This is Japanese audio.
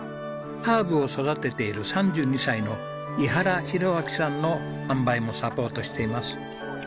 ハーブを育てている３２歳の伊原裕晃さんの販売もサポートしています。